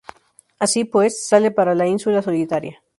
Así, pues, sale para la ínsula Solitaria.